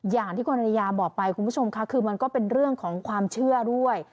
อย่างที่คุณอริยาบอกไปคุณผู้ชมค่ะคือมันก็เป็นเรื่องของความเชื่อด้วย